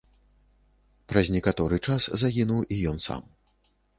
Праз некаторы час загінуў і ён сам.